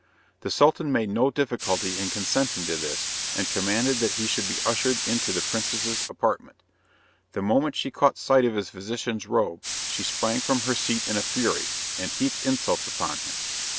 The Sultan made no difficulty in consenting to this, and commanded that he should be ushered in to the princess's apartment. The moment she caught sight of his physician's robe, she sprang from her seat in a fury, and heaped insults upon him.